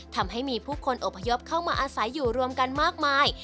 ทำให้มีผู้คนอบพยพเข้ามาอาศัยอยู่รวมกันมากมาย